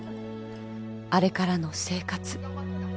「あれからの生活」